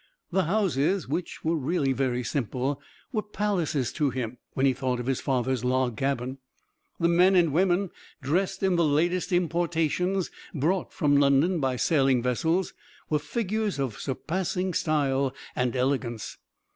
The houses, which were really very simple, were palaces to him, when he thought of his father's log cabin. The men and women, dressed in the latest importations brought from London by sailing vessels, were figures of surpassing style and elegance.